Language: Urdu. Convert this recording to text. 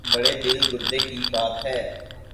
بڑے دل گردے کی بات ہے۔